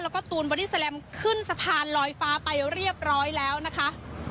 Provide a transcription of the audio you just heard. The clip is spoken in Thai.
แล้วก็ตูนบอดี้แลมขึ้นสะพานลอยฟ้าไปเรียบร้อยแล้วนะคะ